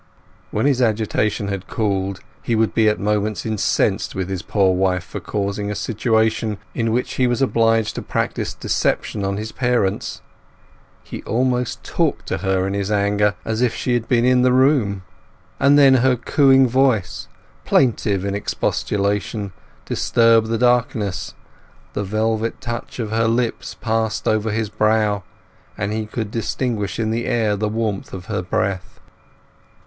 When his agitation had cooled he would be at moments incensed with his poor wife for causing a situation in which he was obliged to practise deception on his parents. He almost talked to her in his anger, as if she had been in the room. And then her cooing voice, plaintive in expostulation, disturbed the darkness, the velvet touch of her lips passed over his brow, and he could distinguish in the air the warmth of her breath.